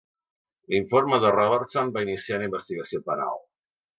L'informe de Robertson va iniciar una investigació penal.